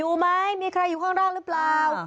อยู่ไหมมีใครอยู่ข้างนอกหรือเปล่า